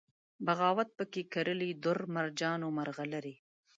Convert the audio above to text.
بغاوت پکښې کرلي دُر، مرجان و مرغلرې